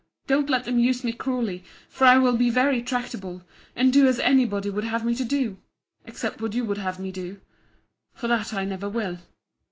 —Don't let them use me cruelly; for I will be very tractable; and do as any body would have me to do—except what you would have me do—for that I never will.